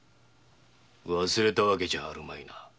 忘れたわけじゃあるまいな。